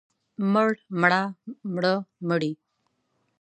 مړ، مړه، مړه، مړې.